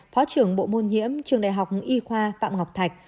phó trưởng bộ môn nhiễm trường đại học y khoa phạm ngọc thạch